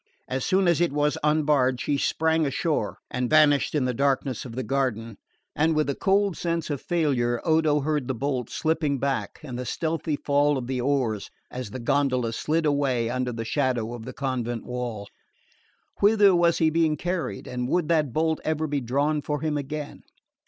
As soon as it was unbarred she sprang ashore and vanished in the darkness of the garden; and with a cold sense of failure Odo heard the bolt slipping back and the stealthy fall of the oars as the gondola slid away under the shadow of the convent wall. Whither was he being carried and would that bolt ever be drawn for him again?